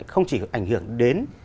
không chỉ ảnh hưởng đến